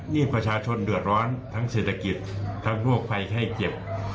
นี่ประชาชนเดือดร้อนทั้งเศรษฐกิจทั้งโรคภัยไข้เจ็บ